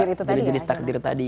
bagian dari pada jenis takdir tadi